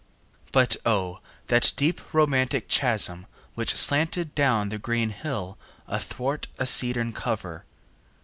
But O, that deep romantic chasm which slanted Down the green hill athwart a cedarn cover!